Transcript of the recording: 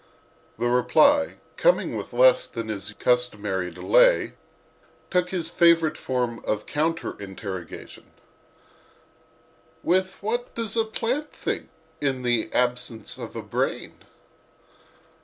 The reply, coming with less than his customary delay, took his favorite form of counter interrogation: "With what does a plant think—in the absence of a brain?"